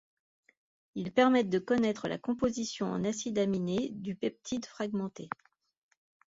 Ils permettent de connaître la composition en acide aminé du peptide fragmenté.